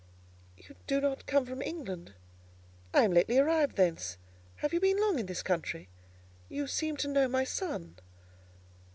"You do not come from England?" "I am lately arrived thence. Have you been long in this country? You seem to know my son?"